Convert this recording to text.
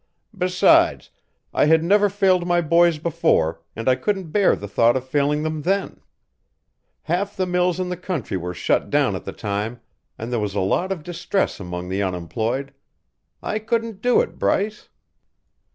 Besides, I had never failed my boys before, and I couldn't bear the thought of failing them then. Half the mills in the country were shut down at the time, and there was a lot of distress among the unemployed. I couldn't do it, Bryce."